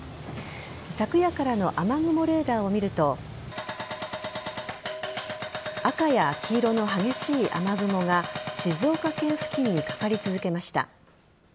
昨夜からの雨雲レーダーを見ると赤や黄色の激しい雨雲が静岡県付近にかかり続けました。